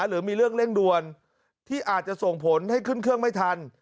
หรือมีเรื่องเร่งด่วนที่อาจจะส่งผลให้ขึ้นเครื่องไม่ทัน